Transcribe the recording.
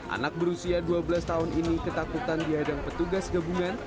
anak berusia dua belas tahun ini ketakutan dihadang petugas gabungan